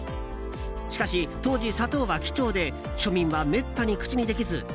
しかし当時、砂糖は貴重で庶民はめったに口にできず。